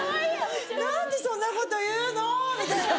何でそんなこと言うの！みたいな。